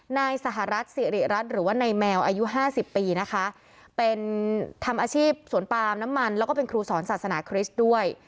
นายสหรัฐสิริรัตน์หรือว่านายแมวอายุห้าสิบปีนะคะเป็นทำอาชีพสวนปาล์มน้ำมันแล้วก็เป็นครูสอนศาสนาคริสต์ด้วย